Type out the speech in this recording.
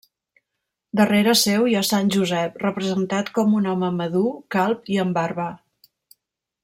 Darrere seu hi ha Sant Josep, representat com un home madur, calb i amb barba.